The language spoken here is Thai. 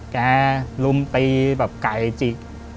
กลุ่มตีแบบไก่จิก